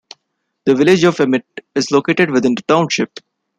The village of Emmett is located within the township.